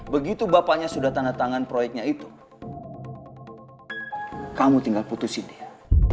begitu bapaknya sudah tanda tangan proyeknya itu kamu tinggal putusin dia